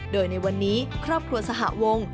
โดยในวันนี้ครอบครัวสหวง